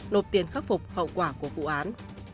nộp tiền khắc phục hậu quả của vụ án